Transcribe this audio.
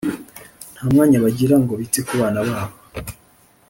nta mwanya bagira ngo bite ku bana babo